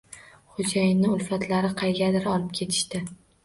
Xo‘jayinni ulfatlari qaygadir olib ketishdi.